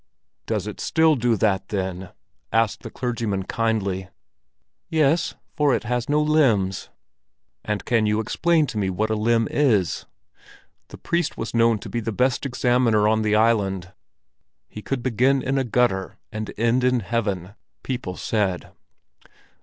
"Does it still do that, then?" asked the clergyman kindly. "Yes—for it has no limbs." "And can you explain to me what a limb is?" The priest was known to be the best examiner on the island; he could begin in a gutter and end in heaven, people said.